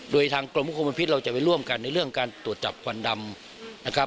โดยทางกรมควบคุมพิษเราจะไปร่วมกันในเรื่องการตรวจจับควันดำนะครับ